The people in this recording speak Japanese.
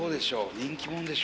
人気者でしょ。